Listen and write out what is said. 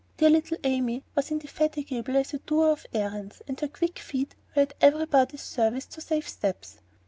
Dear little Amy was indefatigable as a doer of errands, and her quick feet were at everybody's service to "save steps."